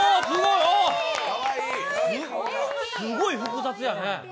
お、すごい複雑やね？